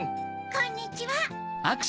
こんにちは。